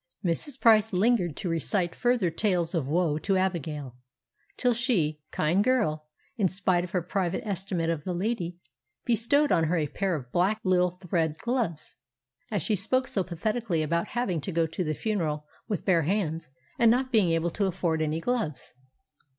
Mrs. Price lingered to recite further tales of woe to Abigail, till she, kind girl, in spite of her private estimate of the lady, bestowed on her a pair of black lisle thread gloves, as she spoke so pathetically about having to go to the funeral with bare hands and not being able to afford any gloves.